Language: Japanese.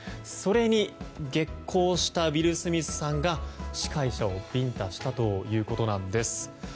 それに激高したウィル・スミスさんが司会者をビンタしたということなんです。